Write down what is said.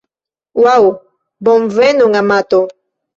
Ŭaŭ, bonvenon amato